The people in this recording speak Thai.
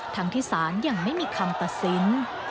ทั้งที่ศาลยังไม่มีคำตัดสิน